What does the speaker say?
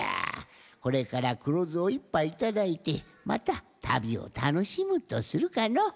これからくろずを１ぱいいただいてまたたびをたのしむとするかの。